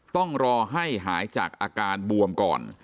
ต้องรอให้หายจากอาการบวมก่อน